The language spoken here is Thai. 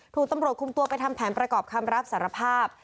ถูกตำรวจคุมตัวไปทำแผนประกอบคำรับสารภาพ